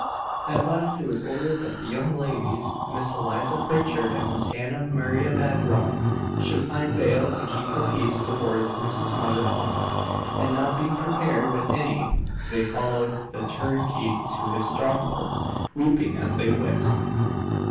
At last it was ordered that the young ladies, Miss Eliza Pritchard and Miss Hannah Maria Bagwell, should find bail to keep the peace towards Mrs. Margaret Bunce; and not being prepared with any, they followed the turnkey to his stronghold, weeping as they went.